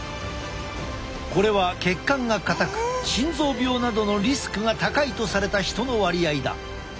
これは血管が硬く心臓病などのリスクが高いとされた人の割合だ。